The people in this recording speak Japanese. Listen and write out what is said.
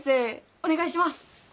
お願いします。